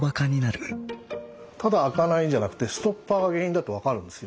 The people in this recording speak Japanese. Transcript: ただ開かないんじゃなくてストッパーが原因だって分かるんですよ。